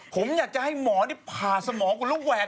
ผมอยากจะให้หมอนี่ผ่าสมองคุณแล้วแหวก